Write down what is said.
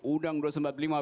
udang dua puluh empat jam